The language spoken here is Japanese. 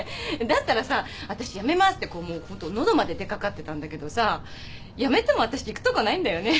だったらさ私辞めますってホント喉まで出かかってたんだけどさ辞めても私行くとこないんだよね。